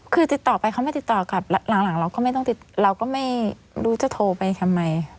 คือติดต่อไปเขาไม่ติดต่อกันหลังเราก็ไม่รู้จะโทรไปทำไม